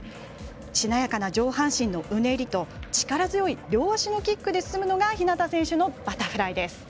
しなやかな上半身のうねりと力強い両足のキックで進むのが日向選手のバタフライです。